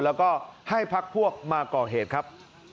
แล้วก็ให้พักพวกมาก่อเหตุครับ